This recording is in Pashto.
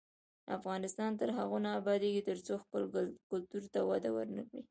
افغانستان تر هغو نه ابادیږي، ترڅو خپل کلتور ته وده ورنکړو.